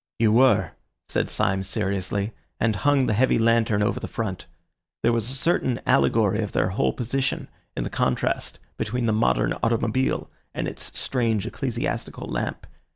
"You were," said Syme seriously, and hung the heavy lantern over the front. There was a certain allegory of their whole position in the contrast between the modern automobile and its strange ecclesiastical lamp.